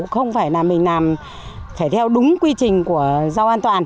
không phải là mình làm phải theo đúng quy trình của rau an toàn